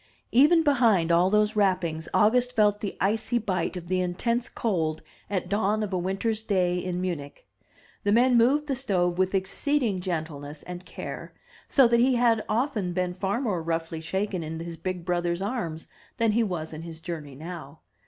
Even behind all those wrappings August felt the icy bite of the intense cold at dawn of a winter^s day in Munich. The men moved the stove with exceeding gentleness and care, so that he had often been far more roughly shaken in his big brothers' arms than he was in his journey now.